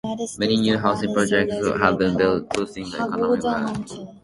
Many new housing projects have been built, boosting the economic viability of the area.